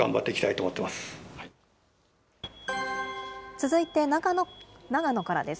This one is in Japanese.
続いて長野からです。